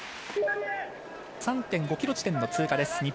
３．５キロ地点の通過です。